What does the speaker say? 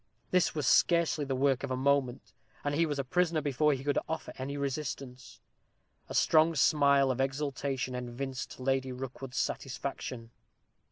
This was scarcely the work of a moment, and he was a prisoner before he could offer any resistance. A strong smile of exultation evinced Lady Rookwood's satisfaction.